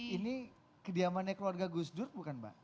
ini kediamannya keluarga gus dur bukan mbak